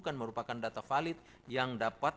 kan merupakan data valid yang dapat